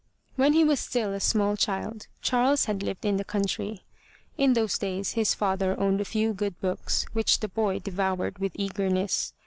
When he was still a small.child, Charles had lived in the country. In those days his father owned a few good books which the boy de voured with eagerness.